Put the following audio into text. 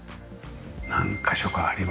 何カ所かあります。